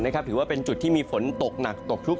ถือว่าเป็นจุดที่มีฝนตกหนักตกชุก